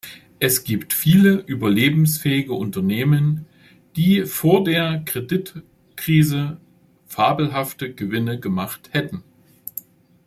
Es gibt viele überlebensfähige Unternehmen, die vor der Kreditkrise fabelhafte Gewinne gemacht hätten.